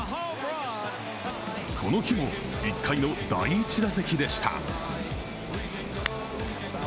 この日も１回の第１打席でした。